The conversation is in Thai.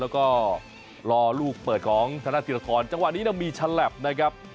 แล้วก็รอลูกเปิดของธนธิรทรจังหวะนี้มีฉลับนะครับ